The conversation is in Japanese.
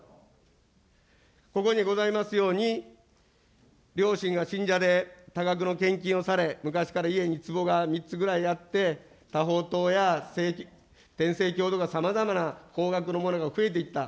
ここにございますように、両親が信者で多額の献金をされ、昔から家につぼが３つくらいあって、多宝塔やてんせいきょうとか、さまざまな高額のものが増えていった。